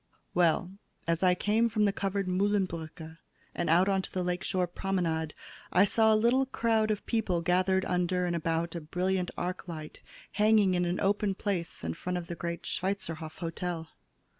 "Well, as I came from the covered Mühlenbrücke and out on to the lake shore promenade, I saw a little crowd of people gathered under and about a brilliant arclight hanging in an open place in front of the great Schweizerhof Hotel.